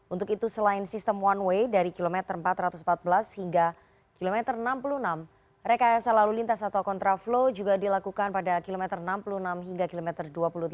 untuk itu selain sistem one way dari kilometer empat ratus empat belas hingga kilometer enam puluh enam rekayasa lalu lintas atau kontraflow juga dilakukan pada kilometer enam puluh enam hingga kilometer dua puluh delapan